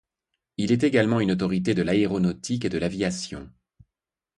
Il est également une autorité de l'aéronautique et de l'aviation.